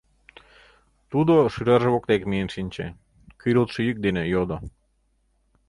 Тудо шӱжарже воктек миен шинче, кӱрылтшӧ йӱк дене йодо: